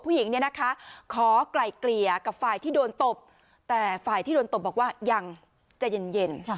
ผู้หญิงเนี่ยนะคะขอไกล่เกลี่ยกับฝ่ายที่โดนตบแต่ฝ่ายที่โดนตบบอกว่ายังใจเย็น